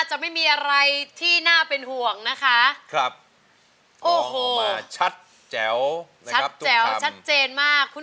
จุดที่สุดที่สุดที่สุดที่สุด